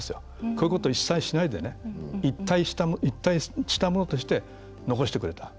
こういうことを一切しないで一体したものとして残してくれた。